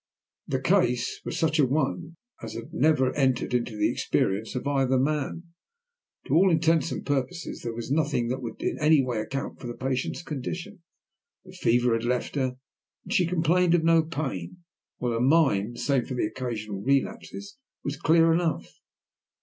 The case was such a one as had never entered into the experience of either man. To all intents and purposes there was nothing that would in any way account for the patient's condition. The fever had left her, and she complained of no pain, while her mind, save for occasional relapses, was clear enough.